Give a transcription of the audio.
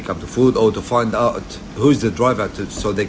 agar mereka bisa menanggungnya dan memberi tahu apa situasi ini